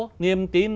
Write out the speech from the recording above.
vang tiếng chim ca